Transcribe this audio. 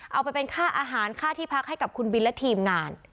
เอาไปเป็นค่าอาหารค่าที่พักให้กับคุณบินและทีมงาน